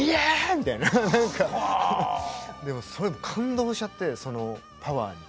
みたいな感動しちゃってそのパワーに。